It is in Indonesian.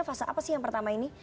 fase apa sih yang pertama ini